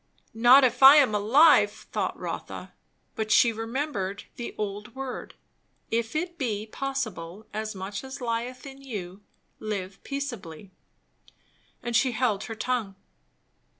Not if I am alive! thought Rotha; but she remembered the old word "If it be possible, as much as lieth in you, live peaceably " and she held her tongue.